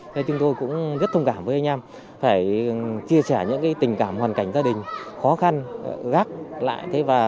thế chúng tôi cũng rất thông cảm với anh em phải chia sẻ những tình cảm hoàn cảnh gia đình khó khăn gác lại